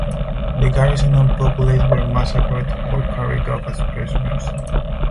The garrison and populace were massacred or carried off as prisoners.